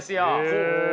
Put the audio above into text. ほう。